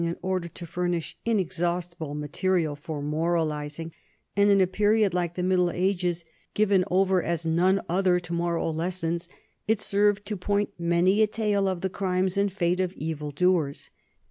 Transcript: ii8 NORMANS IN EUROPEAN HISTORY material for moralizing, and in a period like the Middle Ages, given over as none other to moral lessons, it served to point many a tale of the crimes and fate of evil doers.